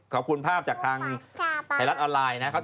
ขอบคุณภาพจากทางไทยรัฐออนไลน์นะครับ